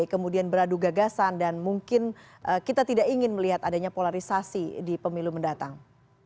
kemudian beradu gagasan dan mungkin kita tidak ingin melihat adanya polarisasi di pemilu mendatang